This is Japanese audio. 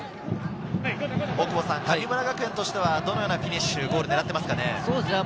神村学園としてはどのようなフィニッシュ、ゴールを狙っていますか？